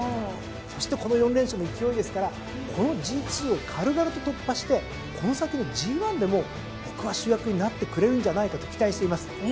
そしてこの４連勝の勢いですからこのＧⅡを軽々と突破してこの先のＧⅠでも僕は主役になってくれるんじゃないかと期待しています。